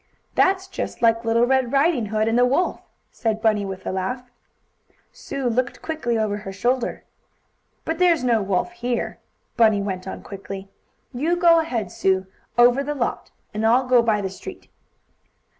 "That's just like little Red Riding Hood and the wolf," said Bunny with a laugh. Sue looked quickly over her shoulder. "But there's no wolf here," Bunny went on quickly. "You go ahead, Sue, over the lot, and I'll go by the street."